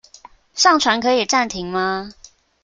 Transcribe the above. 上傳可以暫停嗎？